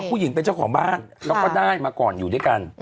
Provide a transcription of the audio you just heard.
ผู้หญิงเป็นเจ้าของบ้านแล้วก็ได้มาก่อนอยู่ด้วยกัน